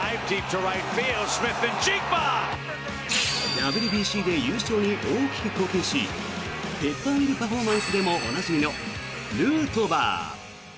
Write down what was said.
ＷＢＣで優勝に大きく貢献しペッパーミルパフォーマンスでもおなじみのヌートバー。